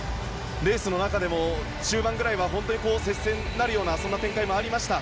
レースの中でも本当に中盤ぐらいは本当に接戦になるようなそんな展開もありました。